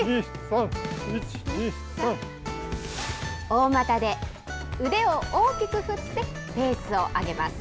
大股で腕を大きく振って、ペースを上げます。